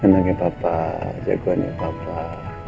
menanggih papa jagoannya papa